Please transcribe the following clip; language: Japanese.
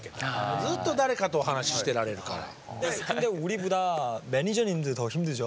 ずっと誰かとお話ししてられるから。